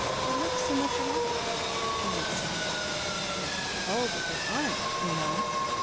They look so much alike!" he had said: "Oh, but they aren't, you know.